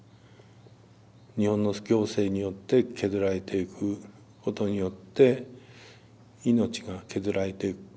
日本の行政によって削られていくことによって命が削られていく。